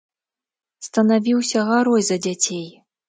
Станавіўся гарой за дзяцей.